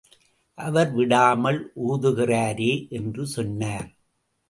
அவர் விடாமல் ஊதுகிறாரே —என்று சொன்னார்.